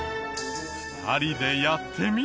２人でやってみても。